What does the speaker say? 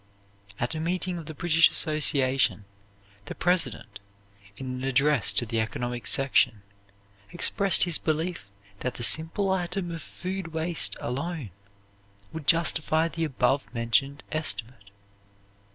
At a meeting of the British Association, the president, in an address to the economic section, expressed his belief that the simple item of food waste alone would justify the above mentioned estimate.